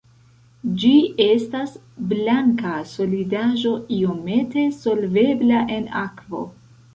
Ĝi estas blanka solidaĵo iomete solvebla en akvo.